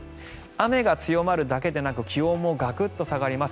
雨が強まるだけでなく気温もガクッと下がります。